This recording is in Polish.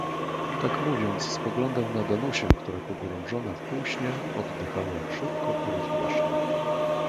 "Tak mówiąc, spoglądał na Danusię, która pogrążona w półśnie, oddychała szybko i rozgłośnie."